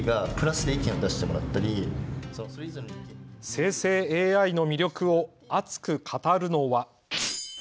生成ＡＩの魅力を熱く語るのは。